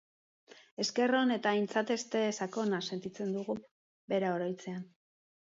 Esker on eta aintzateste sakona sentitzen dugu bera oroitzean.